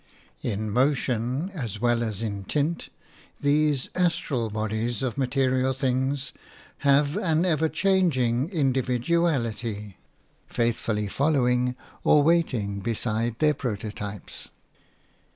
In motion as well as in tint these astral bodies of material things have an ever changing individuality – faithfully following or waiting beside their prototypes.